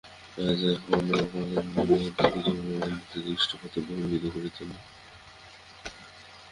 রাজাও ক্ষণ কালের নিমিত্ত চূড়ামণিকে দৃষ্টিপথের বহির্ভূত করিতেন না।